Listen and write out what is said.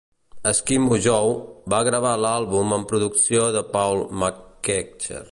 "Eskimo Joe" van gravar l'àlbum amb producció de Paul McKercher.